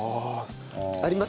あります？